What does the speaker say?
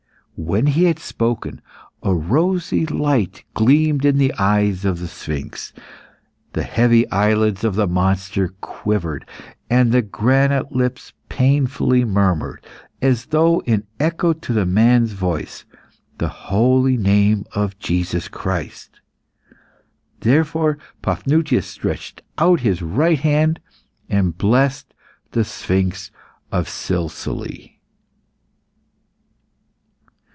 When he had spoken a rosy light gleamed in the eyes of the sphinx; the heavy eyelids of the monster quivered and the granite lips painfully murmured, as though in echo to the man's voice, the holy name of Jesus Christ; therefore Paphnutius stretched out his right hand, and blessed the sphinx of Silsile.